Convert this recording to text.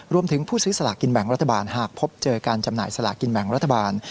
ผู้ซื้อสลากินแบ่งรัฐบาลหากพบเจอการจำหน่ายสลากินแบ่งรัฐบาล